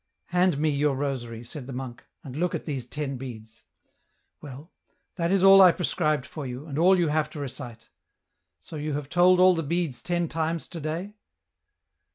" Hand me your rosary," said the monk, " and look at these ten beads ; well, that is all I prescribed for you, and all you have to recite. So you have told all the beads ten times to day